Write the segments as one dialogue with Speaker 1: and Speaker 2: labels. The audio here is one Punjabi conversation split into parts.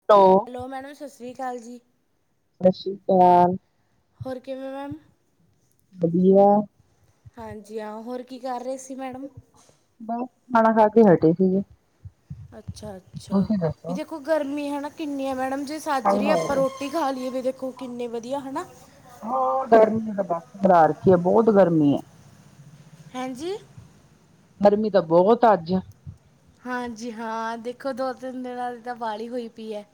Speaker 1: [unintelligible] ਹੈਲੋ
Speaker 2: ਹਲੋ ਮੈਡਮ ਸਤਿ ਸ੍ਰੀ ਕਾਲ ਜੀ।
Speaker 1: ਸਸੀ ਕਾਲ।
Speaker 2: ਹੋਰ ਕਿਵੇਂ ਮੈਮ?
Speaker 1: ਵਧੀਆ।
Speaker 2: ਹਾਂਜੀ ਹਾਂ, ਹੋਰ ਕੀ ਕਰ ਰਹੇ ਸੀ ਮੈਡਮ
Speaker 1: ਬਸ ਖਾਣਾ ਖਾ ਕੇ ਹਟੇ ਸੀਗੇ।
Speaker 2: ਅੱਛਾ ਅੱਛਾ,
Speaker 1: ਤੁਸੀਂ
Speaker 2: ਵੀ
Speaker 1: ਦੱਸੋ
Speaker 2: ਦੇਖੋ ਗਰਮੀ ਹੈ ਨਾ ਕਿੰਨੀ ਹੈ ਮੈਡਮ ਜੇ ਸਾਜਰੀ
Speaker 1: ਹਾਏ
Speaker 2: ਰਹੀ ਉੱਪਰ ਉ
Speaker 1: ਹਾਏ
Speaker 2: ਰੋਟੀ ਖਾਂ ਲਈਏ ਵੇ ਦੇਖੋ ਕਿੰਨੇ ਵਧੀਆ ਹਨਾ।
Speaker 1: ਹਾਂ ਗਰਮੀ ਤਾਂ ਬਸ ਕਰਾ ਰੱਖੀ ਹੈ ਬਹੁਤ ਗਰਮੀ ਹੈ।
Speaker 2: ਹਾਂਜੀ,
Speaker 1: ਗਰਮੀ ਤਾਂ ਬਹੁਤ ਆ ਅੱਜ
Speaker 2: ਹਾਂਜੀ ਹਾਂ, ਦੇਖੋ ਦੋ ਤਿੰਨ ਦਿਨਾਂ ਦੀ ਤਾਂ ਵਾਲੀ ਹੋਈ ਪਈ ਹੈ।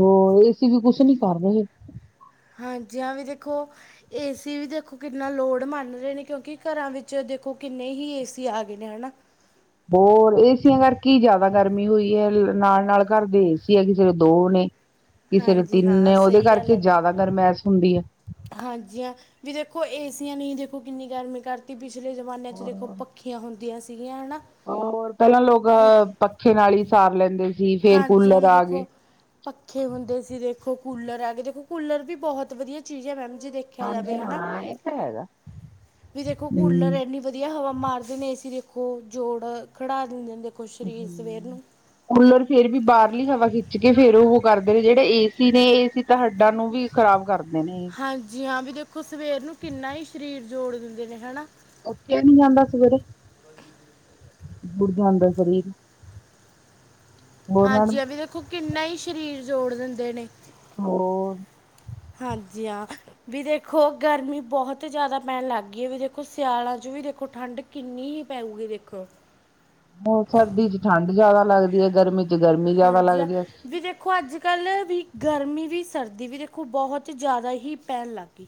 Speaker 1: ਹੋ ਇਸਏਸੀ ਵੀ ਕੁਛ ਨੀ ਕਰ ਰਹੇ।
Speaker 2: ਹਾਂਜੀ, ਵੀ ਦੇਖੋ। ਏਸੀ ਵੀ ਦੇਖੋ ਕਿੰਨਾ ਲੋਡ ਮੰਨ ਰਹੇ ਨੇ ਕਿਉਂਕਿ ਘਰਾਂ ਵਿੱਚ ਦੇਖੋ ਕਿੰਨੇ ਹੀ ਏਸੀ ਆ ਗਏ ਨੇ ਹਨਾ।
Speaker 1: ਹੋਰ ਏਸੀਆਂ ਕਰਕੇ ਜ਼ਿਆਦਾ ਗਰਮੀ ਹੋਈ ਹੈ ਨਾਲ ਨਾਲ ਘਰ ਦੇ ਏਸੀ ਹੈ ਕਿਸੇ ਦੋ ਨੇ
Speaker 2: [unintelligible]
Speaker 1: ਕਿਸੇ ਦੇ ਤਿੰਨ
Speaker 2: ਹਾਂ
Speaker 1: ਉਹਦੇ
Speaker 2: ਸਹੀ ਗੱਲ
Speaker 1: ਕਰਕੇ
Speaker 2: ਹੈ ਮੈਮ
Speaker 1: ਜ਼ਿਆਦਾ ਗਰਮੈਸ ਹੁੰਦੀ ਹੈ।
Speaker 2: ਹਾਂਜੀ ਆਂ ਵੀ ਦੇਖੋ ਏਸੀਆਂ ਨਹੀਂ ਦੇਖੋ ਕਿੰਨੀ ਗਰਮੀ ਕਰਤੀ ਪਿਛਲੇ ਜ਼ਮਾਨਿਆਂ 'ਚ ਦੇਖੋ ਪ ਪਖੀਆਂ ਹੁੰਦੀਆਂ ਸੀਗੀਆਂ ਹਨਾ।
Speaker 1: ਹੋਰ ਪਹਿਲਾਂ ਲੋਕ
Speaker 2: ਵੀ
Speaker 1: ਪੱਖੇ ਨਾਲ ਹੀ ਸਾਰ ਲੈਂਦੇ ਸੀ ਫੇਰ
Speaker 2: ਹਾਂਜੀ ਹਾਂ
Speaker 1: ਕੂਲਰ
Speaker 2: ਵੀ
Speaker 1: ਆ ਗਏ।
Speaker 2: ਦੇਖੋ ਪੱਖੇ ਹੁੰਦੇ ਸੀ ਦੇਖੋ ਕੂਲਰ ਹੈ ਗੇ ਦੇਖੋ ਕੂਲਰ ਵੀ ਬਹੁਤ ਵਧੀਆ ਚੀਜ਼ ਹੈ ਮੈਮ ਜੀ। ਦੇਖ ਰਖਿਆ ਜਾਵੇ
Speaker 1: ਹਾਂਜੀ
Speaker 2: ਹਨਾ।
Speaker 1: ਹਾਂ ਇਹ ਤਾਂ ਹੈਗਾ
Speaker 2: ਵੀ ਦੇਖੋ ਕੂਲਰ
Speaker 1: ਹਮ
Speaker 2: ਇੰਨੀ ਵਧੀਆ। ਵਧੀਆ ਹਵਾ ਮਾਰਦੇ ਨੇ। ਏ ਸੀਂ ਦੇਖੋ, ਜੋੜ ਖੜਾ ਦਿੰਦੇ ਨੇ। ਦੇਖੋ ਸਰੀਰ ਸਵੇਰ
Speaker 1: ਹੂੰ।
Speaker 2: ਨੂੰ
Speaker 1: ਕੂਲਰ ਫੇਰ ਵੀ ਬਾਹਰਲੀ ਹਵਾ ਖਿੱਚ ਕੇ ਫੇਰ ਉਹ ਕਰਦੇ ਨੇ। ਜਿਹੜੇ ਏ ਨੇ ਇਹ ਏ ਸੀ ਤਾਂ ਹੱਡਾਂ ਨੂੰ ਵੀ ਖ਼ਰਾਬ ਕਰਦੇ ਨੇ।
Speaker 2: ਹਾਂਜੀ। ਹਾਂ, ਵੀ ਦੇਖੋ ਸਵੇਰ ਨੂੰ ਕਿੰਨਾ ਹੀ ਸਰੀਰ ਜੋੜ ਦਿੰਦੇ ਨੇ ਹੈਨਾ।
Speaker 1: ਉੱਠਆ ਨੀ ਜਾਂਦਾ ਸਵੇਰੇ। ਬੁੜ ਜਾਂਦਾ ਸਰੀਰ ਹੋਰ ਮੈਡਮ
Speaker 2: ਹਾਂਜੀ। ਆ ਵੀ ਦੇਖੋ, ਕਿੰਨਾ ਹੀ ਸਰੀਰ ਜੋੜ ਦਿੰਦੇ ਨੇ।
Speaker 1: ਹੋ
Speaker 2: ਹਾਂਜੀ। ਹਾਂ, ਵੀ ਦੇਖੋ, ਗਰਮੀ ਬਹੁਤ ਜ਼ਿਆਦਾ ਪੈਣ ਲੱਗ ਗਈ ਹੈ। ਵੀ ਦੇਖੋ ਸਿਆਲਾਂ ਚ' ਵੀ ਦੇਖੋ ਠੰਡ ਕਿੰਨੀ ਹੀ ਪੈਰੀੂਗੀ ਦੇਖੋ,
Speaker 1: ਉਹ ਸਰਦੀ ਚ' ਠੰਡ ਜਿਆਦਾ ਲੱਗਦੀ ਹੈ। ਗਰਮੀ ਚ' ਗਰਮੀ ਜਿਆਦਾ
Speaker 2: ਹਾਂਜੀ ਹਾਂ
Speaker 1: ਲੱਗਦੀ ਹੈ।
Speaker 2: ਵੀ ਦੇਖੋ, ਅੱਜ ਕੱਲ੍ਹ ਵੀ ਗਰਮੀ ਵੀ ਸਰਦੀ ਵੀ ਦੇਖੋ ਬਹੁਤ ਜ਼ਿਆਦਾ ਹੀ ਪੈਣ ਲੱਗ ਗਈ।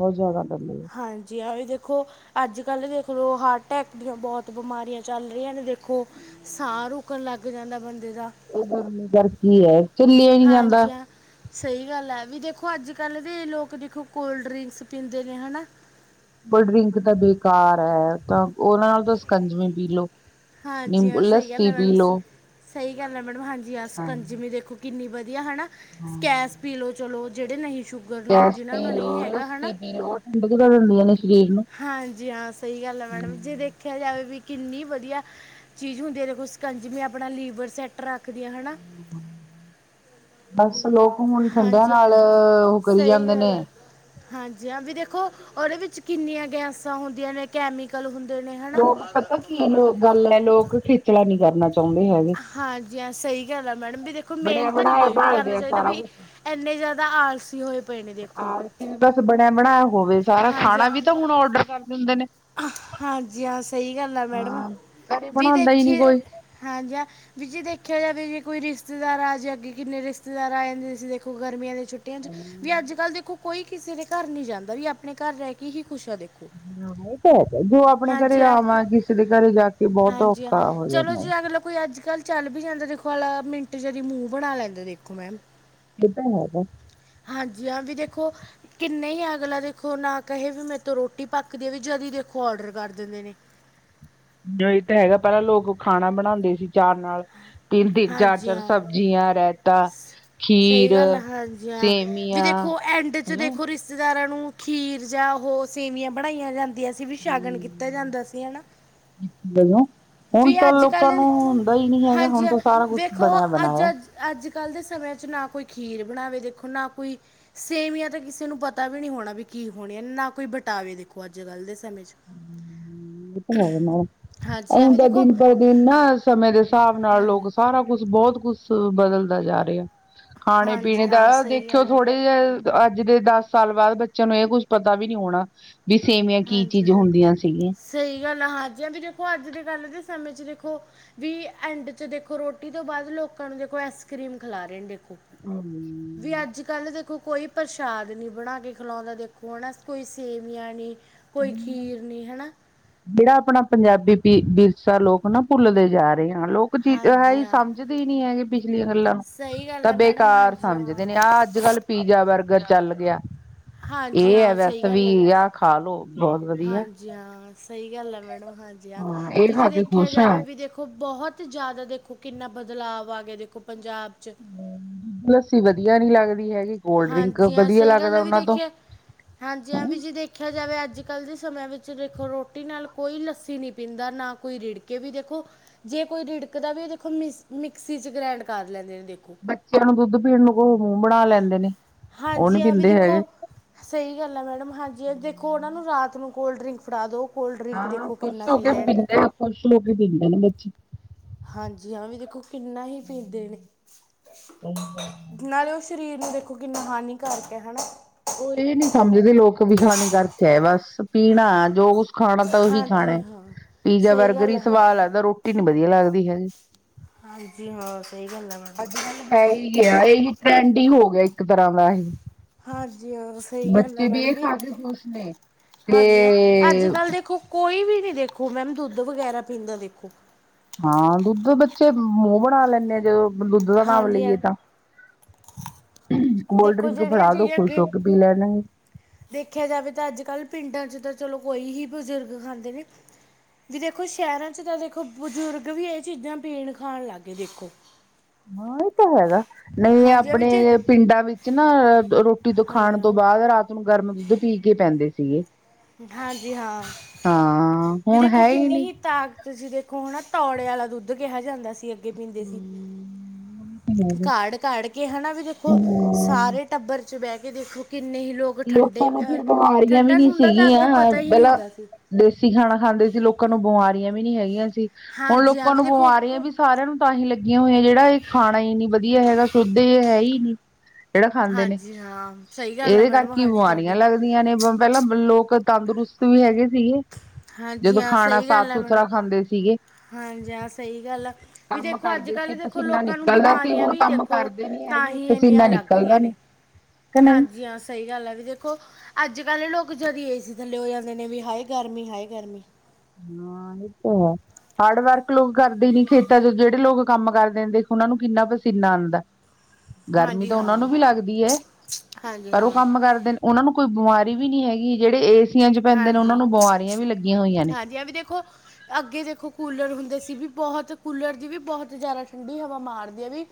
Speaker 1: ਬਹੁਤ ਜਾਦਾ ਗਰਮੀ।
Speaker 2: ਹਾਂਜੀ। ਆ ਵੀ ਦੇਖੋ, ਅੱਜ ਕੱਲ੍ਹ ਦੇਖ ਲਓ ਹਾਰਟ ਅਟੈਕ ਦੀਆਂ ਬਹੁਤ ਬਿਮਾਰੀਆਂ ਚੱਲ ਰਹੀਆਂ ਨੇ ਦੇਖੋ। ਸਾਹ ਰੁਕਣ ਲੱਗ ਜਾਂਦਾ ਬੰਦੇ ਦਾ।
Speaker 1: ਇਹ ਗਰਮੀ ਘਰ ਕੀ ਹੈ। ਚੱਲਿਆ ਨੀ ਜਾਂਦਾ
Speaker 2: ਹਾਂਜੀ। ਹ ਸਹੀ ਗੱਲ ਹੈ। ਵੀ ਦੇਖੋ ਅੱਜ ਕੱਲ੍ਹ ਦੇ ਲੋਕ ਦੇਖੋ ਕੋਲਡ ਡਰਿੰਕਸ ਪੀਂਦੇ ਨੇ ਹਨਾ।
Speaker 1: ਬਡਰਿੰਕ ਤਾਂ ਬੇਕਾਰ ਹੈ। ਤਾਂ ਉਹਨਾਂ ਨਾਲ ਤਾਂ ਸਕੰਜਵੇ ਪੀ ਲੋਓ।
Speaker 2: ਹਾਂਜੀ ਹਾਂ ਸਹੀ ਗੱਲ
Speaker 1: ਨਿੰਬੂਲੱਸੀ
Speaker 2: ਹੈ
Speaker 1: ਪੀ
Speaker 2: ਮੈਡਮ
Speaker 1: ਲੋ।
Speaker 2: ਸਹੀ ਗੱਲ ਹੈ ਮੈਡਮ ਹਾਂਜੀ। ਆ ਸਕੰਜਮੀ ਦੇਖੋ ਕਿੰਨੀ ਵਧੀਆ ਹੈ। ਸਕੈਸ ਪੀ ਲਓ। ਚਲੋ, ਜਿਹੜੇ ਨਹੀਂ ਸ਼ੂ
Speaker 1: ਗੈਸ ਪੀ ਲੋ, ਲੱਸੀ ਪੀ ਲਓ, ਠੰਡ ਹਦੀ
Speaker 2: ਹਾਂਜੀ। ਹਾਂ, ਸਹੀ ਗੱਲ ਹੈ ਮੈਡਮ। ਜੇ ਦੇਖ ਦੇਖਿਆ ਜਾਵੇ ਵੀ ਕਿੰਨੀ ਵਧੀਆ ਚੀਜ਼ ਹੁੰਦੀ। ਦੇਖੋ ਸਕੰਜ ਮ ਆਪਣਾ ਲੀਵਰ ਸੈੱਟ ਰੱਖਦੀਆਂ ਹਨ।
Speaker 1: ਬਸ ਲੋਕ ਹੁਣ ਠੰਡਿਆਂ
Speaker 2: ਹਾਂਜੀ ਹਾਂ
Speaker 1: ਨਾਲ ਉਹ ਕਰੀ
Speaker 2: ਸਹੀ
Speaker 1: ਜਾਂਦੇ ਨੇ।
Speaker 2: ਗੱਲ ਆ ਹਾਂਜੀ। ਹਾਂ, ਵੀ ਦੇਖੋ ਉਹਦੇ ਵਿੱਚ ਕਿੰਨੀਆਂ ਗੈਸਾਂ ਹੁੰਦੀਆਂ ਨੇ। ਕੈਮੀਕਲ ਹੁੰਦੇ ਨੇ ਹਨਾ।
Speaker 1: ਲੋਕ ਪਤਾ ਕੀ ਲੋ ਗੱਲ ਹੈ। ਲੋਕ ਖਿਚਲਾ ਨੀ ਕਰਨਾ ਚਾਹੁੰਦੇ ਹੈਗੇ।
Speaker 2: ਹਾਂਜੀ। ਹਾਂ, ਸਹੀ ਗੱਲ ਆ ਮੈਡਮ। ਵੀ ਦੇਖੋ ਮਿਹਨਤ ਨਹੀਂ ਕੋਈ ਵੀ ਕਰਨਾ ਚਾਹੀਦਾ ਵੀ। ਇੰਨੇ ਜ਼ਿਆਦਾ ਆਲਸੀ ਹੋਏ ਪਏ ਨੇ ਦੇਖੋ।
Speaker 1: ਆਲਸੀ ਬਸ ਬਣਿਆ- ਬਣਾਇਆ ਹੋਵੇ ਸਾਰਾ।
Speaker 2: ਹਾਂਜੀ
Speaker 1: ਖਾਣਾ ਵੀ ਤਾਂ
Speaker 2: ਹਾਂ
Speaker 1: ਹੁਣ ਔਡਰ ਕਰ ਲ ਹੁੰਦੇ ਨੇ।
Speaker 2: ਹਾਂਜੀ। ਹਾਂ, ਸਹੀ ਗੱਲ ਆ ਮੈਡਮ।
Speaker 1: ਹਾਂ। ਘਰੇ
Speaker 2: ਵੀ
Speaker 1: ਬਣਾਉਂਦਾ ਹੀ
Speaker 2: ਦੇਖੀ
Speaker 1: ਨੀ ਕੋਈ।
Speaker 2: ਹਾਂਜੀ। ਹ ਵੀ ਜੇ ਦੇਖਿਆ ਜਾਵੇ ਜੇ ਕੋ ਰਿਸ਼ਤੇਦਾਰ ਆ ਜੇ ਅੱਗੇ ਕਿੰਨੇ ਰਿਸ਼ਤੇਦਾਰ ਆ ਜਾਂਦੇ ਤੁਸੀਂ ਦੇਖੋ ਗਰਮੀਆਂ ਦੀਆਂ ਛੱਟੀਆਂ। ਵੀ ਅੱਜ ਕੱਲ ਦੇਖੋ ਕੋਈ ਕਿਸੇ ਦੇ ਘਰ ਨ ਜਾਂਦਾ। ਵੀ ਆਪਣੇ ਘਰ ਰਹਿ ਕੇ ਹੀ ਖੁਸ਼ ਆ ਦੇਖੋ।
Speaker 1: ਹਾਂ [unintelligible] ਜੋ ਆਪਣੇ ਘਰੇ
Speaker 2: ਹਾਂਜੀ ਹਾਂ
Speaker 1: ਰਾਮਵਾਂ ਕਿਸੇ ਦੇ ਘਰੇ ਜਾ ਕੇ ਬਹੁਤ
Speaker 2: ਹਾਂਜੀ ਹਾਂ
Speaker 1: ਔਖਾ ਹੋ
Speaker 2: ਚਲੋ
Speaker 1: ਜਾਂਦਾ ਹੈ।
Speaker 2: ਜੀ ਅਗਲਾ ਕੋਈ ਅੱਜ ਕੱਲ੍ਹ ਚੱਲ ਵੀ ਜਾਂਦਾ ਦੇਖੋ ਆ। ਮਿੰਟ ਜਾਰੀ ਮੂੰਹ ਬਣਾ ਲੈਂਦਾ ਦੇਖੋ ਮੈਂਮ।
Speaker 1: ਕਿਏਦਾਂ ਹੈਗਾ।
Speaker 2: ਹਾਂਜੀ। ਹਾਂ, ਵੀ ਦੇਖੋ ਕਿੰਨੇ ਹੀ ਅਗਲਾ ਦੇਖੋ ਨਾ ਕਹੇ ਵੀ ਮੇਰੇ ਤੋਂ ਰੋਟੀ ਪੱਕਦੀ ਵੀ। ਜਦੀ ਦੇਖੋ ਔਡਰ ਕਰ ਦਿੰਦੇ ਨੇ।
Speaker 1: ਜੋ ਇਹ ਤਾਂ ਹੈਗਾ। ਪਹਿਲਾਂ ਲੋਕ ਖਾਣਾ ਬਣਾਉਂਦੇ ਸੀ। ਚਾਹ ਨਾਲ ਤਿੰਨ- ਤਿੰਨ, ਚਾਰ-
Speaker 2: ਹਾਂਜੀ
Speaker 1: ਚਾਰ
Speaker 2: ਹਾਂ
Speaker 1: ਸਬਜ਼ੀਆਂ, ਰਾਇਤਾ
Speaker 2: ਸਹੀ
Speaker 1: ਖੀਰ
Speaker 2: ਗੱਲ ਹਾਂਜੀ। ਹਾਂ, ਵੀ
Speaker 1: ਸੇਮੀਆਂ
Speaker 2: ਦੇਖੋ ਐਂਡ 'ਚ
Speaker 1: ਹਨਾ
Speaker 2: ਦੇਖੋ ਰਿਸ਼ਤੇਦਾਰਾਂ ਨੂੰ ਖੀਰ ਜਾਂ ਉਹ ਸੇਵੀਆਂ ਬਣਾਈਆਂ ਜਾਂਦੀਆਂ ਸੀ। ਵੀ
Speaker 1: ਹੂੰ,
Speaker 2: ਸ਼ਾਗਨ ਕੀਤਾ ਜਾਂਦਾ ਸੀ ਹੈ ਨਾ।
Speaker 1: ਹੁਣ ਤਾਂ
Speaker 2: ਅੱਜ
Speaker 1: ਲੋਕਾਂ
Speaker 2: ਕੱਲ੍ਹ
Speaker 1: ਨੂੰ ਹੁੰਦਾ ਹੀ ਨਹੀਂ ਹੈਗਾ।
Speaker 2: ਹਾਂਜੀ
Speaker 1: ਹੁਣ
Speaker 2: ਹਾਂ
Speaker 1: ਤਾਂ ਸਾਰਾ ਕੁਛ
Speaker 2: ਵੇਖੋ
Speaker 1: ਬਣਿਆ-
Speaker 2: ਅੱਜ
Speaker 1: ਬਣਾਇਆ।
Speaker 2: ਅੱਜ- ਅੱਜ ਕੱਲ੍ਹ ਦੇ ਸਮੇ 'ਚ ਨਾ ਕੋਈ ਖੀਰ ਬਣਾਵੇ ਦੇਖੋ ਨਾ ਕੋਈ ਸੇਵਿਆ ਤਾਂ ਕਿਸੇ ਨੂੰ ਪਤਾ ਵੀ ਨਹੀਂ ਹੋਣਾ ਵੀ ਕੀ ਹੋਣੇ ਆ ਨਾ ਕੋਈ ਬਟਾਵੇ ਦੇਖੋ ਅੱਜ ਕੱਲ੍ਹ ਦੇ ਸਮੇਂ 'ਚ। ਹਾਂਜੀ ਹਾਂ
Speaker 1: ਹੁਣ
Speaker 2: ਵੀ
Speaker 1: ਤਾਂ
Speaker 2: ਦੇਖੋ
Speaker 1: ਦਿਨ ਪਰ ਦਿਨ ਨਾ [inaudible] ਸਮੇਂ ਦੇ ਸਾਬ ਨਾਲ
Speaker 2: ਹਾਂਜੀ
Speaker 1: ਲੋਕ ਸਾਰਾ ਕੁਛ ਬਹੁਤ ਕੁਛ ਬਦਲਦਾ ਜਾ ਰੇਯਾ। ਖਾਣੇ
Speaker 2: ਹਾਂਜੀ
Speaker 1: ਪੀਣੇ
Speaker 2: ਹਾਂ
Speaker 1: ਦਾ
Speaker 2: ਸਹੀ
Speaker 1: ਦੇਖਿਓ
Speaker 2: ਗੱਲ ਹੈ
Speaker 1: ਥੋੜੇ ਅ ਅੱਜ ਦੇ ਦਸ ਸਾਲ ਬਾਦ ਬੱਚਿਆਂ ਨੂੰ ਇਹ ਕੁੱਝ ਪਤਾ ਵੀ ਨੀ ਹੋਣਾ ਵੀ ਸੇਮਿਆ ਕੀ ਚੀਜ ਹੁੰਦੀਆਂ ਸੀਗੀਆਂ।
Speaker 2: ਸਈ ਗੱਲ ਆ ਹਾਂਜੀ ਵੀ ਦੇਖੋ ਅੱਜ ਦੇ ਕੱਲ੍ਹ ਦੇ ਸਮੇਂ 'ਚ ਦੇਖੋ ਵੀ ਐਂਡ ਚ ਦੇਖੋ ਰੋਟੀ ਤੋਂ ਬਾਦ ਲੋਕਾਂ ਨੂੰ ਦੇਖੋ ਐਸਕ੍ਰੀਮ ਖਲਾ ਰਹੇ ਨੇ ਦੇਖੋ।
Speaker 1: ਹਮ
Speaker 2: ਵੀ ਅੱਜ ਕੱਲ ਦੇਖੋ ਕੋਈ ਪ੍ਰਸ਼ਾਦ ਨੀ ਬਣਾ ਕੇ ਖਲੋਨਦਾ ਦੇਖੋ ਹਨ ਕੋਈ ਸੇਵੀਆਂ ਨੀ ਕੋਈ ਖੀਰ ਨੀ ਹੈ ਨਾ?
Speaker 1: ਜਿਹੜਾ ਆਪਣਾ ਪੰਜਾਬੀ ਪੀ ਵਿਰਸਾ ਲੋਕ ਨਾ ਭੁੱਲਦੇ ਜਾ ਰਹੇ ਹਨ ਲੋਕ ਚੀ ਹੈ
Speaker 2: ਹਾਂਜੀ
Speaker 1: ਹੀ
Speaker 2: ਹਾਂ
Speaker 1: ਸਮ ਛੱਡ ਦੇ ਹੀ ਨੀ ਹੈਗੇ ਪਿਛਲੀਆਂ ਗੱਲਾਂ ਨੂੰ
Speaker 2: ਸਹੀ ਗੱਲ
Speaker 1: ਤਾਂ
Speaker 2: ਹੈ ਮੈਡਮ
Speaker 1: ਬੇਕਾਰ
Speaker 2: ਹਾਂਜੀ ਹਾਂ
Speaker 1: ਸਮਝਦੇ ਨੇ ਆਹ ਅੱਜ ਕੱਲ੍ਹ ਪੀਜ਼ਾ ਬਰਗਰ ਚੱਲ ਗੇਆ।
Speaker 2: ਹਾਂਜੀ
Speaker 1: ਏ ਹੈ
Speaker 2: ਹਾਂ
Speaker 1: ਵੈਸ
Speaker 2: ਸਹੀ
Speaker 1: ਵੀ
Speaker 2: ਗੱਲ ਹੈ
Speaker 1: ਆ ਖਾਲੋੋ।
Speaker 2: ਹਾਂਜੀ ਹਾਂ ਸਹੀ ਗੱਲ ਆ ਮੈਡਮ ਹਾਂਜੀ ਹਾਂ
Speaker 1: ਇਹ
Speaker 2: ਵੀ ਜੀ
Speaker 1: ਖਾ ਕੇ
Speaker 2: ਦੇਖਿਆ
Speaker 1: ਖੁਸ਼ ਆ
Speaker 2: ਜਾਵੇ ਵੀ ਦੇਖੋ ਬੌਹੋਤ ਤੇ ਜ਼ਿਆਦਾ ਦੇਖੋ ਕਿੰਨਾ ਬਦਲਾਵ ਆ ਗਿਆ ਦੇਖੋ ਪੰਜਾਬ ਚ
Speaker 1: ਲੱਸੀ ਵਧੀਆ ਨੀ ਲੱਗਦੀ ਹੈਗੀ ਕੋਲਡਰਿੰਕ
Speaker 2: ਹਾਂਜੀ ਹਾਂ
Speaker 1: ਵਧੀਆ
Speaker 2: ਸਹੀ ਗੱਲ
Speaker 1: ਲੱਗਦਾ
Speaker 2: ਹੈ ਵੀ
Speaker 1: ਉਹਨਾਂ ਤੋਂ।
Speaker 2: ਦੇਖਿਆ ਹਾਂਜੀ ਹਾਂ ਵੀ ਜੀ ਦੇਖਿਆ ਜਾਵੇ ਅੱਜ ਕੱਲ੍ਹ ਦੇ ਸਮੇਂ ਵਿੱਚ ਦੇਖੋ ਰੋਟੀ ਨਾਲ ਕੋਈ ਲੱਸੀ ਨਈ ਪੀਂਦਾ ਨਾ ਕੋਈ ਰੀੜਕੇ ਵੀ ਦੇਖੋ ਜੇ ਕੋਈ ਰਿੜਕਦਾ ਵੀ ਦੇਖੋ ਮਿਸ ਮਿਕਸੀ ਚ ਗ੍ਰੈਂਡ ਕਰ ਲੈਂਦੇ ਨੇ ਦੇਖੋ।
Speaker 1: ਬੱਚਿਆਂ ਨੂੰ ਦੁੱਧ ਪੀਣ ਨੂੰ ਕਹੋ ਮੂੰਹ ਬਣਾ ਲੈਂਦੇ ਨੇ। ਉਹ ਨੀ
Speaker 2: ਹਾਂਜੀ ਹਾਂ ਵੀ
Speaker 1: ਪੀਂਦੇ
Speaker 2: ਦੇਖੋ
Speaker 1: ਹੈਗੇ
Speaker 2: ਸਹੀ ਗੱਲ ਹੈ ਮੈਡਮ ਹਾਂਜੀ ਦੇਖੋ ਉਹਨਾਂ ਨੂੰ ਰਾਤ ਨੂੰ ਕੋਲਡਰਿੰਕ ਫੜਾ ਦੋ
Speaker 1: ਹਾਂ ਖੁਸ਼ ਹੋ ਕੇ ਪੀਂਦੇ ਖੁਸ਼ ਹੋ ਕੇ ਪੀਂਦੇ ਨੇ ਬੱਚ। [inaudible]
Speaker 2: ਹਾਂਜੀ ਹਾਂ ਵੀ ਦੇਖੋ ਕਿੰਨਾ ਹੀ ਪੀਂਦੇ ਨੇ
Speaker 1: ਸਹੀ ਗੱਲ
Speaker 2: ਨਾਲੇ ਉਹ ਸ਼ਰੀਰ ਨੂੰ ਦੇਖੋ ਕਿੰਨਾ ਹਾਨੀਕਾਰਕ ਹੈ ਨਾ?
Speaker 1: ਉਹ ਇਹ ਨੀ ਸਮਝਦੇ ਲੋਕ ਵੀ ਸਾਨੂੰ ਖੜਆ ਆ ਬਸ ਪੀਣਾ ਜੋ ਕੁਛ ਖਾਣਾ ਤਾਂ ਉਹੀ ਖਾਣਾ
Speaker 2: ਹਾਂਜੀ
Speaker 1: ਏ
Speaker 2: ਹਾਂ
Speaker 1: ਪੀਜ਼ਾ
Speaker 2: ਸਹੀ
Speaker 1: ਬਰਗਰ
Speaker 2: ਗੱਲ
Speaker 1: ਹੀ
Speaker 2: ਆ ਹਾਂ
Speaker 1: ਸਵਾਦ ਲੱਗਦਾ ਰੋਟੀ ਨੀ ਬਧੀਆ ਲੱਗਦੀ ਹੈਗੀ।
Speaker 2: ਹਾਂਜੀ ਹਾਂ ਸਹੀ ਗੱਲ ਏ।
Speaker 1: ਅੱਜ ਕੱਲ ਹੈ ਹੀ ਏਹੀ ਟਰੈਂਡ ਹੀ ਹੋ ਗਿਆ ਇੱਕ ਤਰ੍ਹਾਂ ਦਾ ਏ।
Speaker 2: ਹਾਂਜੀ ਹਾਂ ਸਹੀ ਗੱਲ ਐ ਮੈਡਮ ਵੀ
Speaker 1: ਕੇ ਖੁਸ਼ ਨੇ ਤੇ
Speaker 2: ਹਾਂਜੀ ਹਾਂ ਅੱਜ ਕੱਲ੍ਹ ਦੇਖੋ ਕੋਈ ਵੀ ਨੀ ਦੇਖੋ ਮੈਮ ਦੁੱਧ ਵਗੈਰਾ ਪੀਂਦਾ ਦੇਖੋ
Speaker 1: ਹਾਂ ਦੁੱਧ ਬੱਚੇ ਮੂੰਹ ਬਣਾ ਲੈਂਦੇ ਨੇ ਜੇ ਓਹ ਦੁੱਧ ਦਾ ਨਾਮ
Speaker 2: ਹਾਂਜੀ ਹਾਂ
Speaker 1: ਲਈਏ ਤਾਂ।
Speaker 2: ਦੇਖੋ
Speaker 1: ਕੋਲਡਰਿੰਕ
Speaker 2: ਜਿਹੜੀਆਂ
Speaker 1: ਫੜਾ ਦੋ
Speaker 2: ਚੀਜ਼ਾਂ
Speaker 1: ਖੁਸ਼
Speaker 2: ਅੱਗੇ
Speaker 1: ਹੋ ਕੇ ਪੀ ਲੈਣਗੇ।
Speaker 2: ਦੇਖਿਆ ਜਾਵੇ ਤਾਂ ਅੱਜ ਕੱਲ੍ਹ ਪਿੰਡਾਂ ਚ ਤਾਂ ਚਲੋ ਕੋਈ ਹੀ ਬਜ਼ੁਰਗ ਖਾਂਦੇ ਨੇ ਵੀ ਦੇਖੋ ਸ਼ਹਿਰਾਂ ਚ ਤਾਂ ਦੇਖੋ ਬੁਜ਼ੁਰਗ ਵੀ ਇਹ ਚੀਜ਼ਾਂ ਪੀਣ ਖਾਣ ਲੱਗ ਗਏ ਦੇਖੋ। [unintelligible] [inaudible]
Speaker 1: ਹਾ ਇਹ ਤਾਂ ਹੈਗਾ ਨਈ
Speaker 2: ਹਾਂਜੀ ਆ ਵੀ ਜੇ
Speaker 1: ਆਪਣੇ ਪਿੰਡਾਂ ਵਿੱਚ ਨਾ ਰੋ ਟੀ ਤੋਂ
Speaker 2: ਹਾਂਜੀ
Speaker 1: ਖਾਣ
Speaker 2: ਹਾਂ
Speaker 1: ਤੋਂ ਬਾਅਦ ਰਾਤ ਨੂੰ ਗਰਮ ਦੁੱਧ ਪੀ ਕੇ ਪੈਂਦੇ ਸੀਗੇ।
Speaker 2: ਹਾਂਜੀ ਹਾਂ
Speaker 1: ਹਾਂ
Speaker 2: ਵੀ
Speaker 1: ਹੁਣ
Speaker 2: ਦੇਖੋ
Speaker 1: ਹੈ
Speaker 2: ਕਿੰਨੀ
Speaker 1: ਨਹੀਂ
Speaker 2: ਹੀ ਤਾਕ ਤੁਸੀਂ ਦੇਖੋ ਹੋਣਾ ਤੌੜੇ ਆਲੇ ਦੁੱਧ ਕਿਹਾ ਜਾਂਦਾ ਸੀ। ਪੀਂਦੇ ਸੀ
Speaker 1: ਹਮ
Speaker 2: ਘਾੜ -ਘਾੜ ਕੇ ਹੈਨਾ ਵੀ ਦੇਖੋ
Speaker 1: ਹਮ।
Speaker 2: ਸਾਰੇ ਟੱਬਰ ਚ ਬਹਿ ਕੇ ਦੇਖੋ ਕਿੰਨੇ ਹੀ ਲੋਕ ਠੰਡੇ
Speaker 1: ਲੋਕਾਂ ਨੂੰ
Speaker 2: ਅ,
Speaker 1: ਫਿਰ ਬਿਮਾਰੀਆਂ ਵੀ
Speaker 2: ਠੰਡਾ
Speaker 1: ਨਹੀਂ
Speaker 2: ਠੁੰਡਾ ਤਾਂ ਅੱਗੇ
Speaker 1: ਸੀਗੀਆਂ
Speaker 2: ਪਤਾ ਹੀ ਨਹੀਂ
Speaker 1: ਬਲਾ
Speaker 2: ਹੁੰਦਾ ਸੀ
Speaker 1: ਦੇਸੀ ਖਾਣਾ ਖਾਂਦੇ ਸੀ ਲੋਕਾਂ ਨੂੰ ਬਮਾਰੀਆਂ ਵੀ ਨਹੀਂ ਹੈਗੀਆਂ ਸੀ ਹੁਣ
Speaker 2: ਹਾਂਜੀ ਹਾਂ
Speaker 1: ਲੋਕਾਂ
Speaker 2: ਵੀ
Speaker 1: ਨੂੰ
Speaker 2: ਦੇਖੋ
Speaker 1: ਬਮਾਰੀਆਂ ਵੀ ਸਾਰਿਆਂ ਨੂੰ ਤਾਂ ਹੀ ਲੱਗੀਆਂ ਹੋਈਆਂ ਜਿਹੜਾ ਇਹ ਖਾਣਾ ਹੀ ਨੀ ਵਧੀਆ ਹੈਗਾ ਸ਼ੁੱਧ ਐ ਹੀ ਨਹੀਂ
Speaker 2: ਹਾਂਜੀ ਹਾਂ ਸਹੀ ਗੱਲ ਆ
Speaker 1: ਇਹਦੇ
Speaker 2: ਮੈਡਮ
Speaker 1: ਕਰਕੇ ਹੀ
Speaker 2: ਹਾਂਜੀ
Speaker 1: ਬਿਮਾਰੀਆਂ
Speaker 2: ਤੁਹਾਡੀ
Speaker 1: ਲੱਗਦੀਆਂ ਨੇ [inaudible] ਪਹਿਲਾਂ ਲੋਕ ਤੰਦਰੁਸਤ ਵੀ ਹੈਗੇ ਸੀਗੇ।
Speaker 2: ਹਾਂਜੀ
Speaker 1: ਜਦੋਂ,
Speaker 2: ਹਾਂ
Speaker 1: ਖਾਣਾ
Speaker 2: ਸਹੀ ਗੱਲ ਹੈ ਮੈਡਮ
Speaker 1: ਸਾਫ-ਸੁਥਰਾ ਖਾਂਦੇ ਸੀਗੇ।
Speaker 2: ਹਾਂਜੀ, ਹਾਂ, ਸਹੀ ਗੱਲ ਆ। ਵੀ
Speaker 1: ਕੰਮ
Speaker 2: ਦੇਖੋ,
Speaker 1: ਕਰਦੇ
Speaker 2: ਅੱਜ-ਕੱਲ
Speaker 1: ਸੀ
Speaker 2: ਦੇਖੋ
Speaker 1: ਪਸੀਨਾ
Speaker 2: ਲੋਕਾਂ ਨੂੰ
Speaker 1: ਨਿਕਲਦਾ ਸੀ
Speaker 2: ਬਿਮਾਰੀਆਂ
Speaker 1: ਹੁਣ
Speaker 2: ਵੀ
Speaker 1: ਕੰਮ
Speaker 2: ਦੇਖ
Speaker 1: ਕਰਦੇ ਨੀ ਹੈਗੇ, ਪਸੀਨਾ ਨਿਕਲਦਾ ਨਹੀ, ਕਿ ਨਹੀਂ।
Speaker 2: ਹਾਂਜੀ ਹਾਂ, ਸਹੀ ਗੱਲ ਹੈ, ਵੀ ਦੇਖੋ ਅੱਜ-ਕੱਲ ਲੋਕ ਜਦੀ ਏਸੀ ਥੱਲੇ ਹੋ ਜਾਂਦੇ ਨੇ, ਵੀ ਹਾਏ ਗਰਮੀ! ਹਾਏ ਗਰਮੀ! [unintelligible]
Speaker 1: ਸੁੱਤਾ ਵਾ। ਹਾਰਡ ਵਰਕ ਲੋਕ ਕਰਦੇ ਨੀ ਖੇਤਾਂ'ਚ ਜਿਹੜੇ ਲੋਕ ਕੰਮ ਕਰ ਦਿੰਦੇ, ਉਹਨਾ ਨੂੰ ਕਿੰਨਾ ਪਸੀਨਾ ਆਂਦਾ।
Speaker 2: [unintelligible]
Speaker 1: ਗਰਮੀ ਤਾਂ ਉਹਨਾਂ ਨੂੰ
Speaker 2: ਹਾਂ
Speaker 1: ਵੀ ਲੱਗਦੀ ਏ,
Speaker 2: ਹਾਂਜੀ
Speaker 1: ਪਰ ਉਹ
Speaker 2: ਹਾਂ
Speaker 1: ਕੰਮ ਕਰਦੇ ਨੇ। ਉਹਨਾਂ ਨੂੰ ਕੋਈ ਬਿਮਾਰੀ ਵੀ ਨਹੀਂ ਹੈਗੀ, ਜਿਹੜੇ ਏਸੀਆਂ'ਚ ਪੈਂਦੇ ਨੇ, ਉਹਨਾਂ
Speaker 2: ਹਾਂਜੀ
Speaker 1: ਨੂੰ ਬਿਮਾਰੀਆਂ ਵੀ ਲੱਗੀਆਂ ਹੋਈਆਂ ਨੇ।
Speaker 2: ਹਾਂਜੀ, ਆ ਵੀ ਦੇਖੋ ਅੱਗੇ ਦੇਖੋ ਕੂਲਰ ਹੁੰਦੇ ਸੀ, ਵੀ ਬਹੁਤ ਕੂਲਰ ਦੀ ਵੀ ਬਹੁਤ ਜ਼ਿਆਦਾ ਠੰਡੀ ਹਵਾ ਮਾਰਦੇ ਆ ਵੀ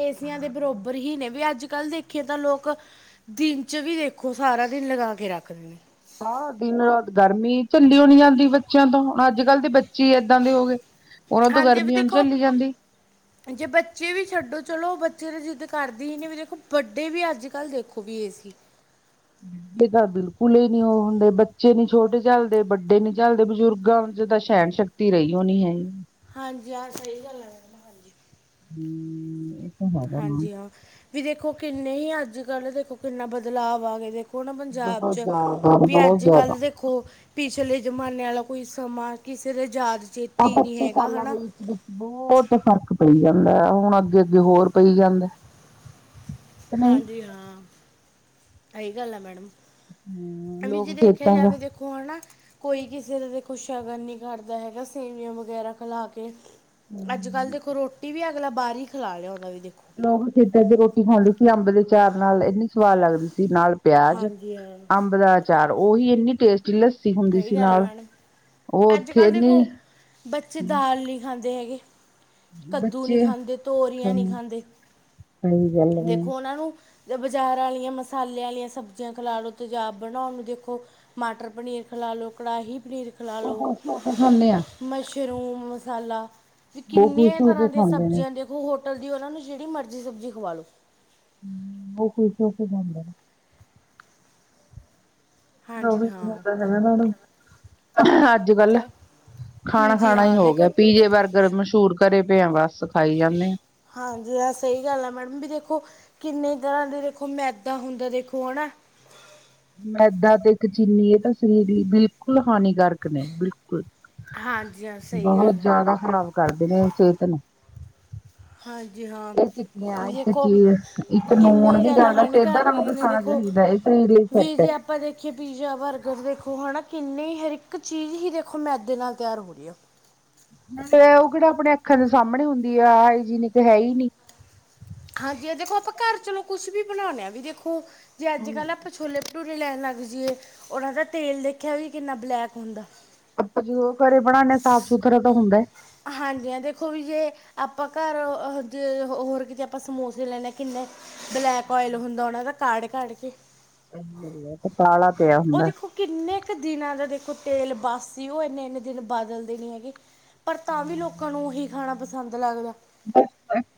Speaker 2: ਏਸੀਆਂ ਦੇ ਬਰੋਬਰ ਹੀ ਨੇ, ਵੀ ਅੱਜ ਕੱਲ-ਦੇਖ ਪੱਖੇ ਤਾਂ ਲੋਕ, ਦਿਨ'ਚ ਵੀ ਦੇਖੋ ਸਾਰਾ ਦਿਨ ਲਗਾਕੇ ਰੱਖਦੇ ਨੇ।
Speaker 1: ਸਾਰਾ ਦਿਨ-ਰਾਤ ਗਰਮੀ ਝੱਲੀਓ ਨੀ ਜਾਂਦੀ ਬੱਚਿਆਂ ਤੋਂ, ਹੁਣ ਅੱਜ-ਕੱਲ ਦੇ ਬੱਚੇ ਏਦਾਂ ਦੇ ਹੋ ਗਏ। ਉਹਨਾਂ ਤੋਂ
Speaker 2: ਹਾਂਜੀ, ਏਵੀ
Speaker 1: ਗਰਮੀ ਹੁਣ
Speaker 2: ਦੇਖੋ
Speaker 1: ਝੱਲੀ ਜਾਂਦੀ
Speaker 2: ਜੇ ਬੱਚੇ ਵੀ ਛੱਡੋ ਚਲੋ, ਉਹ ਬੱਚੇ ਤਾਂ ਜਿੱਦ ਕਰਦੇ ਹੀ ਨਹੀਂ ਵੀ ਦੇਖੋ, ਵੱਡੇ ਵੀ ਅੱਜ-ਕੱਲ ਦੇਖੋ ਵੀ ਏਸੀ।
Speaker 1: ਤਾਂ ਬਿਲਕੁਲ ਹੀ ਨੀ ਉਹ ਹੁੰਦੇ, ਬੱਚੇ ਨੀ ਛੋਟੇ ਝੱਲਦੇ, ਵੱਡੇ ਨੀ ਝੱਲਦੇ, ਬਜ਼ੁਰਗਾਂ ਤਾਂ ਸਹਿਣ ਸ਼ਕਤੀ ਰਹੀਓ ਨਹੀਂ ਹੈਗੀ।
Speaker 2: ਹਾਂਜੀ-ਹਾਂ, ਸਹੀ ਗੱਲ ਐ।
Speaker 1: ਹੂੰਹੂੰ
Speaker 2: ਹਾਂਜੀ-ਹਾਂ ਵੀ ਦੇਖੋ, ਕਿੰਨੇ ਹੀ ਅੱਜ-ਕੱਲ ਦੇਖੋ, ਕਿੰਨਾ ਬਦਲਾਵ ਆ ਗਏ ਦੇ ਹੁਣ
Speaker 1: ਬਹੁਤ
Speaker 2: ਪੰਜਾਬ'ਚ,
Speaker 1: ਜ਼ਿਆਦਾ
Speaker 2: ਵੀ
Speaker 1: ਬਹੁਤ ਜ਼ਿਆਦਾ
Speaker 2: ਅੱਜ-ਕੱਲ ਦੇ ਖੋ, ਪਿਛਲੇ ਜਮਾਨੇ ਵਾਲਾ ਕੋਈ ਸਮਾਂ ਕਿਸੇ ਦਾ ਯਾਦ,
Speaker 1: ਆ
Speaker 2: ਚੇਤੇ ਹੀ ਨਹੀਂ‌
Speaker 1: ਪੱਚੀ
Speaker 2: ਹੈਗਾ
Speaker 1: ਸਾਲਾਂ
Speaker 2: ਹਣਾ।
Speaker 1: ਦੇ ਵਿੱਚ ਵਿੱਚ ਬਹੁਤ, ਫ਼ਰਕ ਪਈ ਜਾਂਦਾ। ਹੁਣ ਅੱਗੇ-ਅੱਗੇ ਹੋਰ ਪਈ ਜਾਂਦਾ। ਕਿ ਨਹੀਂ
Speaker 2: ਹਾਂਜੀ-ਹਾਂ, ਇਹੀ ਗੱਲ ਆ ਮੈਡਮ।
Speaker 1: ਹਮ
Speaker 2: ਐਂ ਵੀ ਜੇ
Speaker 1: ਲੋਕ
Speaker 2: ਦੇਖਿਆ
Speaker 1: ਖੇਤਾਂ ਦਾ
Speaker 2: ਜਾਵੇ ਕੌਣਾ? ਕੋਈ ਕਿਸੇ ਦਾ ਦੇਖੋ, ਸ਼ਗਨ ਨਹੀਂ ਕਰਦਾ ਹੈਗਾ, ਸੇਵੀਆਂ ਵਗੈਰਾ ਖਲਾਕੇ। ਅੱਜ-ਕੱਲ ਦੇਖੋ, ਰੋਟੀ ਵੀ ਅਗਲਾ ਬਾਹਰ ਹੀ ਖਲਾ ਲਿਆਂਦਾ ਵੀ ਦੇਖੋ।
Speaker 1: ਲੋਕ ਖੇਦਾਂ ਦੀ ਰੋਟੀ ਖਾਂਦੇ ਸੀ, ਅੰਬ ਦੇ ਅਚਾਰ ਨਾਲ ਇੰਨੀ ਸਵਾਦ ਲੱਗਦੀ ਸੀ, ਨਾਲ ਪਿਆਜ,
Speaker 2: ਹਾਂਜੀ ਹਾਂ
Speaker 1: ਅੰਬ ਦਾ ਅਚਾਰ ਉਹੀ ਇੰਨੀ ਟੇਸਟੀ ਹੁੰਦੀ
Speaker 2: ਸਹੀ
Speaker 1: ਸੀ
Speaker 2: ਗੱਲ ਆ,
Speaker 1: ਨਾਲ
Speaker 2: ਮੈਡਮ।
Speaker 1: ਉਹ ਉੱਥੇ
Speaker 2: ਅੱਜ-ਕੱਲ
Speaker 1: ਇੰਨੀ
Speaker 2: ਦੇਖੋ, ਬੱਚੇ ਦਾਲ ਨਹੀਂ ਖਾਂਦੇ ਹੈਗੇ। ਕੱਦੂ ਨੀ
Speaker 1: ਬੱਚੇ
Speaker 2: ਖਾਂਦੇ, ਤੋਰੀਆਂ ਨੀ
Speaker 1: ਸਹੀ
Speaker 2: ਖਾਂਦੇ,
Speaker 1: ਗੱਲ
Speaker 2: ਦੇਖੋ ਉਹਨਾਂ ਨੂੰ ਬਜ਼ਾਰ ਆਲੀਆਂ, ਮਸਾਲੇ ਵਾਲੀਆਂ ਸਬਜ਼ੀਆਂ ਖਲਾ ਲਓ ਤਜ਼ਾਬ ਬਣਾਉਣ ਨੂੰ, ਦੇਖੋ, ਮਾਟਰ ਪਨੀਰ ਖਲਾਲੋ, ਕੜਾਹੀ ਪਨੀਰ
Speaker 1: ਉਹ
Speaker 2: ਖਲਾਲੋ,
Speaker 1: ਖੁਸ਼ ਹੋ ਕੇ ਖਾਂਦੇ ਆ
Speaker 2: ਮਸ਼ਰੂਮ ਮਸਾਲਾ ਵੀ
Speaker 1: ਉਹ
Speaker 2: ਕਿੰਨੀਆਂ
Speaker 1: ਖੁਸ਼ ਹੋ ਕੇ
Speaker 2: ਤਰ੍ਹਾਂ ਦੀਆਂ
Speaker 1: ਖਾਂਦੇ ਨੇ
Speaker 2: ਸਬਜ਼ੀਆਂ ਦੇਖੋ, ਹੋਟਲ ਦੀ ਉਹਨਾਂ ਨੂੰ ਜਿਹੜੀ ਮਰਜ਼ੀ ਸਬਜ਼ੀ ਖਵਾ ਲਉ।
Speaker 1: ਉਹ, ਖੁਸ਼ ਹੋਕੇ ਜਾਂਦਾ। ਓ
Speaker 2: ਹਾਂਜੀ
Speaker 1: ਹੀ
Speaker 2: ਹਾਂ
Speaker 1: [unintelligible] ਨੂੰ ਅੱਜ-ਕੱਲ
Speaker 2: ਤੇ-
Speaker 1: ਖਾਣਾ,
Speaker 2: ਹਮ, ਜੀ
Speaker 1: ਖਾਣਾ ਹੀ
Speaker 2: ਹਾਂ
Speaker 1: ਹੋਗਿਆ।
Speaker 2: ਦੇਖੋ
Speaker 1: ਪੀਜੇ, ਬਰਗਰ ਮਸ਼ਹੂਰ ਕਰੇ ਪਏ ਆਂ, ਬਸ ਖਾਈ ਜਾਂਨੇ ਆਂ।
Speaker 2: ਹਾਂਜੀ, ਹਾਂ ਸਹੀ ਗੱਲ ਆ ਮੈਡਮ ਵੀ ਦੇਖੋ, ਕਿੰਨੇ ਤਰ੍ਹਾਂ ਦੇ ਦੇਖੋ ਮੈਦਾ ਹੁੰਦਾ, ਦੇਖੋ ਹਣਾ
Speaker 1: ਮੈਦਾ ਤੇ ਇੱਕ ਚੀਨੀ ਇਹ ਤਾਂ ਸਰੀਰ ਲਈ, ਬਿਲਕੁਲ ਹਾਨੀਕਾਰਕ ਨੇ, ਬਿਲਕੁਲ।
Speaker 2: ਹਾਂਜੀ ਹਾਂ ਸਹੀ
Speaker 1: ਬਹੁਤ
Speaker 2: ਗੱਲ ਹੈ
Speaker 1: ਜ਼ਿਆਦਾ ਖ਼ਰਾਬ ਕਰਦੇ ਨੇ, ਸਿਹਤ ਨੂੰ।
Speaker 2: ਹਾਂਜੀ ਹਾਂ
Speaker 1: ਇਹ ਟਿੱਕੀਆਂ,
Speaker 2: ਵੀ
Speaker 1: ਇੱਕ
Speaker 2: ਦੇਖੋ
Speaker 1: ਚੀਜ਼, ਇੱਕ ਨੂਣ
Speaker 2: ਕਿੰਨੀ
Speaker 1: ਵੀ
Speaker 2: ਜ਼ਿਆਦਾ
Speaker 1: ਕਰਦਾ ਸੇਧਾਂ
Speaker 2: ਹਾਨੀਕਾਰਕ
Speaker 1: ਨਮਕ
Speaker 2: ਨੇ
Speaker 1: ਖਾਣਾ
Speaker 2: ਦੇਖੋ
Speaker 1: ਚਾਹੀਦਾ ਇਸ ਸਰੀਰ ਈਚ
Speaker 2: ਵੀ
Speaker 1: ਘੱਟ ਏ।
Speaker 2: ਜੇ ਆਪਾਂ ਦੇਖੀਏ, ਪੀਜ਼ਾ, ਬਰਗਰ ਵੇਖੋ ਹਣਾ, ਕਿੰਨੀ ਹਰ ਇੱਕ ਚੀਜ਼ ਹੀ ਦੇਖੋ, ਮੈਦੇ ਨਾਲ ਤਿਆਰ ਹੋ ਰਹੀ ਆ।
Speaker 1: ਤੇ, ਉਹ ਕਿਹੜਾ ਆਪਣੇ ਅੱਖਾਂ ਦੇ ਸਾਹਮਣੇ ਹੁੰਦੀ ਆ, ਹਾਇਜੀਨਿਕ ਹੈਹੀ ਨੀ।
Speaker 2: ਹਾਂਜੀ, ਇਹ ਦੇਖੋ ਆਪਾਂ ਘਰ ਚਲੋ ਕੁੱਛ ਵੀ ਬਣਾਉਂਨੇ ਆ ਵੀ ਦੇਖੋ, ਜੇ ਅੱਜ-ਕੱਲ ਆਪਾਂ ਛੋਲੇ ਭਟੁਰੇ ਲੈਣ ਲੱਗ ਜੀਏ, ਉਹਨਾਂ ਦਾ ਤੇਲ ਦੇਖਿਆ ਵੀ ਕਿੰਨਾ ਬਲੈਕ ਹੁੰਦਾ।
Speaker 1: ਆਪਾਂ ਜਦੋਂ ਘਰੇ ਬਣਾਉਦੇ ਹਾਂ, ਸਾਫ਼ ਸੁਥਰਾ ਤਾਂ ਹੁੰਦਾ।
Speaker 2: ਹਾਂਜੀ ਐ ਦੇਖੋ ਵੀ ਜੇ ਆਪਾਂ ਘਰ ਜੇ ਹੋਰ ਕਿਤੇ ਆਪਾਂ ਸਮੋਸੇ ਲੈਣੇ ਹਾਂ, ਕਿੰਨੇ ਬਲੈਕ ਓਇਲ ਹੁੰਦਾ ਉਹਨਾਂ ਦਾ, ਕਾੜ ਕਾੜ ਕੇ।
Speaker 1: ਤੇ ਕਾਲਾ ਪਿਆ
Speaker 2: ਉਹ
Speaker 1: ਹੁੰਦਾ
Speaker 2: ਦੇਖੋ ਕਿੰਨੇ ਕੁ ਦਿਨਾਂ ਦਾ ਦੇਖੋ ਤੇਲ ਬਾਸੀ ਉਹ, ਇੰਨੇ ਇੰਨੇ ਦਿਨ ਬਦਲਦੇ ਨੀ ਹੈਗੇ। ਪਰ ਤਾਂ ਵੀ ਲੋਕਾਂ ਨੂੰ, ਉਹੀ ਖਾਣਾ ਪਸੰਦ ਲੱਗਦਾ।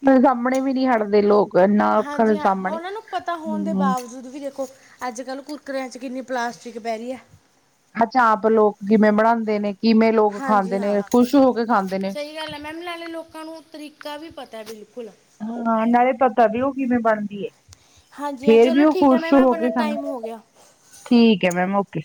Speaker 1: ਸਾਹਮਣੇ ਵੀ ਨਹੀਂ ਹਟਦੇ ਲੋਕ ਨਾ ਅੱਖਾਂ
Speaker 2: ਹਾਂਜੀ
Speaker 1: ਦੇ
Speaker 2: ਹਾਂ,
Speaker 1: ਸਾਹਮਣੇ
Speaker 2: ਉਹਨਾਂ ਨੂੰ ਪਤਾ ਹੋਣ ਦੇ
Speaker 1: ਹੂੰ
Speaker 2: ਬਾਵਜੂਦ ਵੀ ਦੇਖੋ। ਅੱਜ ਕੱਲ ਕੁੱਕਰਿਆਂ 'ਚ ਕਿੰਨੀ ਪਲਾਸਟਿਕ ਪੈ ਰੀ ਐ।
Speaker 1: ਅਹ ਚਾਪ ਲੋਕ ਕਿਵੇਂ ਬਣਾਉਂਦੇ ਨੇ, ਕਿਵੇਂ ਲੋਕ ਖਾਂਦੇ ਨੇ, ਖੁਸ਼ ਹੋ ਕੇ ਖਾਂਦੇ ਨੇ,
Speaker 2: ਹਲ ਹੈ, ਮੈਮ ਲੈਣੇ, ਲੋਕਾਂ ਨੂੰ ਤਰੀਕਾ ਵੀ ਪਤਾ ਹੈ ਬਿਲਕੁਲ
Speaker 1: ਹਾਂ ਨਾਲੇ ਪਤਾ ਵੀ, ਉਹ ਕਿਵੇਂ ਬਣਦੀ ਹੈ
Speaker 2: ਹਾਂਜੀ ਹਾਂ
Speaker 1: ਫੇਰ ਵੀ
Speaker 2: ਚਲੋ
Speaker 1: ਉਹ,
Speaker 2: ਠੀਕ ਹੈ
Speaker 1: ਖੁਸ਼
Speaker 2: ਮੈਮ
Speaker 1: ਹੋ
Speaker 2: ਆਪਣਾ
Speaker 1: ਕੇ ਖਾਣਾ
Speaker 2: ਟਾਈਮ ਹੋ ਗਿਆ।
Speaker 1: ਠੀਕ ਹੈ ਮੈਮ ਓਕੇ